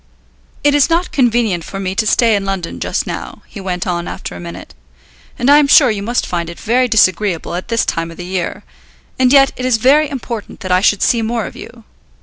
"It is not convenient for me to stay in London just now," he went on after a minute, "and I am sure you must find it very disagreeable at this time of the year; and yet it is very important that I should see more of you.